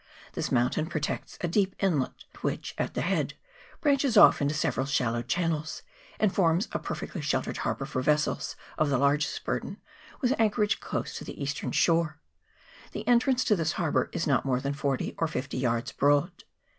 This mountain protects a deep inlet, which, at the head, branches off into several shallow channels, and forms a perfectly sheltered harbour for vessels of the largest burden, with anchorage close to the eastern shore : the entrance to this harbour is not more than forty or fifty yards broad.